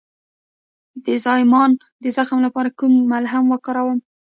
د زایمان د زخم لپاره کوم ملهم وکاروم؟